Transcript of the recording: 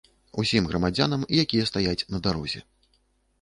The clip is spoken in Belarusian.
Усім грамадзянам, якія стаяць на дарозе.